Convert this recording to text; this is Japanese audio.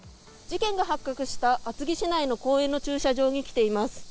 事件が発覚した厚木市内の公園の駐車場に来ています。